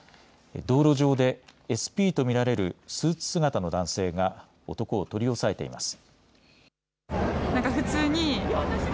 道路上でＳＰと見られるスーツ姿の男性が男を取り押さえています。